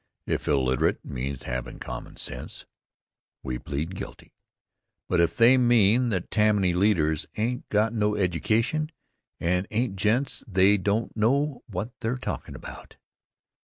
If illiterate means havin' common sense, we plead guilty. But if they mean that the Tammany leaders ain't got no education and ain't gents they don't know what they're talkin' about.